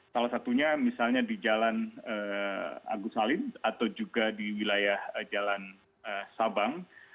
salah satunya misalnya di jalan agus salim atau juga di wilayah jalan sabang